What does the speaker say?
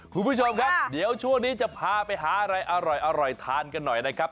คุณผู้ชมครับเดี๋ยวช่วงนี้จะพาไปหาอะไรอร่อยทานกันหน่อยนะครับ